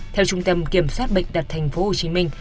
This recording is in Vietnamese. theo trung tâm kiểm soát bệnh tật thành phố hồ chí minh